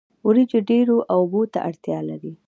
وریجې ډیرو اوبو ته اړتیا لري